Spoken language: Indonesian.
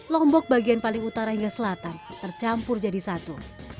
lombok bagian paling utara hingga selatan tercampur jadi satu